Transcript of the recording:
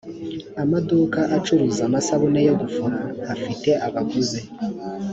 amaduka acuruza amasabune yo gufura afite abaguzi